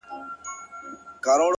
ژوند چي د سندرو سکه ورو دی لمبې کوې”